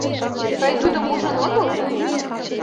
Тый тудым ужын отыл?